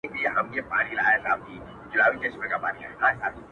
نن به توره د خوشحال راوړي رنګونه؛